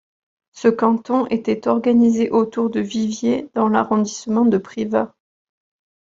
Ce canton était organisé autour de Viviers dans l'arrondissement de Privas.